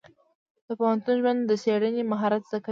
د پوهنتون ژوند د څېړنې مهارت زده کوي.